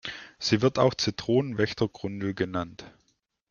Sie wird auch Zitronen-Wächtergrundel genannt.